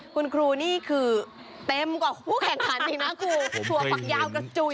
คุณครูนี่คือเต็มกว่าคู่แข่งขันอีกนะครูถั่วฝักยาวกระจุย